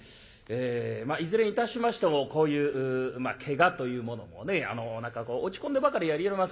いずれにいたしましてもこういうけがというものもね落ち込んでばかりはいれません。